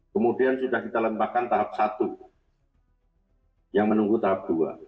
kemudian sudah kita lempahkan tahap satu yang menunggu tahap dua